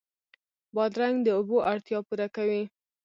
بادرنګ د اوبو اړتیا پوره کوي.